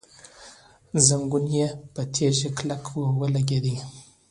زنګون يې په تيږه کلک ولګېد.